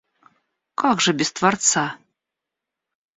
Как же без Творца?